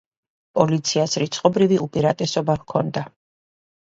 კოალიციას რიცხობრივი უპირატესობა ჰქონდა.